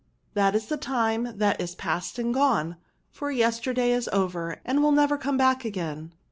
^' That is the time that is past and gone ; for yesterday is over, and wUl never come back again."